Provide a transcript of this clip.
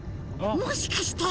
もしかして。